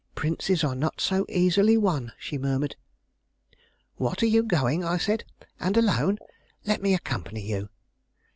Princes are not so easily won," she murmured. "What! are you going?" I said, "and alone? Let me accompany you."